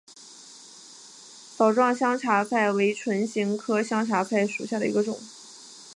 帚状香茶菜为唇形科香茶菜属下的一个种。